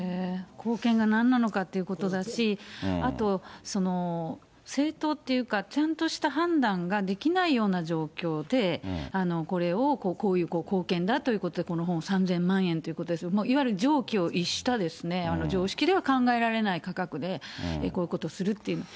貢献がなんなのかってことだし、あと、正当というか、ちゃんとした判断ができないような状況で、これをこういう貢献だということで、この本を３０００万円ということですけれども、いわゆる常軌を逸した常識では考えられない価格でこういうことをするという。